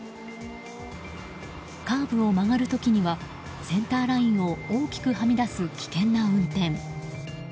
カーブを曲がる時にはセンターラインを大きくはみ出す危険な運転。